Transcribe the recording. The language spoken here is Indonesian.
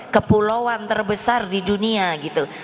kepulauan terbesar di dunia gitu